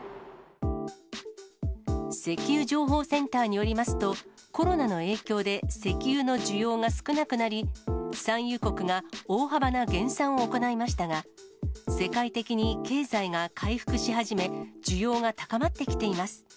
石油情報センターによりますと、コロナの影響で石油の需要が少なくなり、産油国が大幅な減産を行いましたが、世界的に経済が回復し始め、需要が高まってきています。